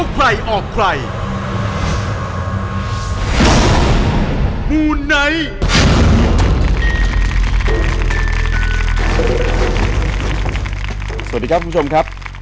สวัสดีครับคุณผู้ชมครับ